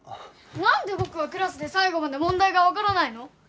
なんで僕はクラスで最後まで問題がわからないの？